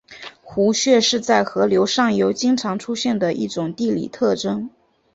壶穴是在河流上游经常出现的一种地理特征。